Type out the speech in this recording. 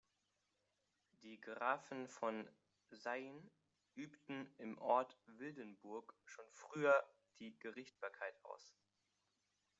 Die Grafen von Sayn übten im Ort Wildenburg schon früher die Gerichtsbarkeit aus.